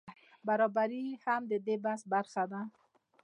برابري هم د دې بحث برخه ده.